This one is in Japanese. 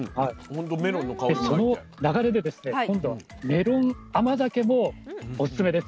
その流れで今度はメロン甘酒もおすすめです。